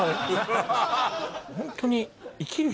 ホントに。